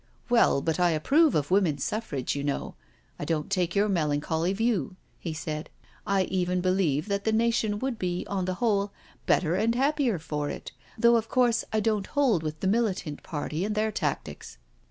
•• Well, but I approve of Woman's Suffrage, you know— I don't take your melancholy view," he said, I even believe that the nation would be, on the whole, better and happier for it, though, of course,^ I don't hold with the Militant party and their tactics."